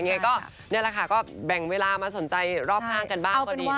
เนี่ยแหละคะแบ่งเวลามาสนใจรอบข้างกันบ้างก็ดีนะคะ